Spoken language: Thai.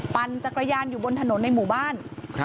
ปั่นจักรยานอยู่บนถนนในหมู่บ้าน